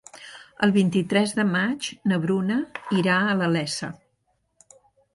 El vint-i-tres de maig na Bruna irà a la Iessa.